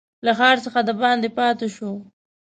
له ښار څخه دباندي پاته شو.